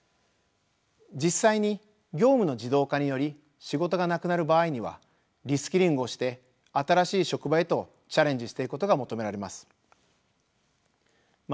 実際に業務の自動化により仕事がなくなる場合にはリスキリングをして新しい職場へとチャレンジしていくことが求められます。